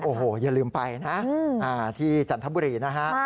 โอ้โหอย่าลืมไปนะที่จันทบุรีนะฮะ